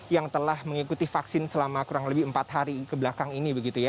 yang telah mengikuti vaksin selama kurang lebih empat hari kebelakang ini